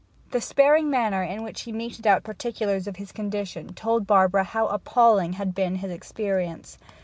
The sparing manner in which he meted out particulars of his condition told Barbara how appalling had been his experience.